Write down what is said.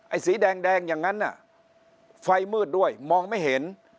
สีแดงอย่างนั้นน่ะไฟมืดด้วยมองไม่เห็น